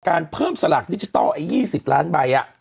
การเพิ่มสระดิจิทัลไอ้๒๐ล้านใบอ่ะ